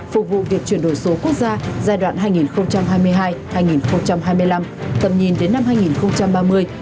phục vụ việc chuyển đổi số quốc gia giai đoạn hai nghìn hai mươi hai hai nghìn hai mươi năm tầm nhìn đến năm hai nghìn ba mươi